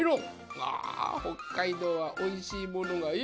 あ北海道はおいしいものがいっぱい。